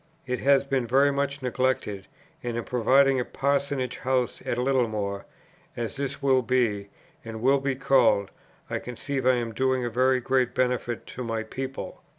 It has been very much neglected; and in providing a parsonage house at Littlemore, as this will be, and will be called, I conceive I am doing a very great benefit to my people.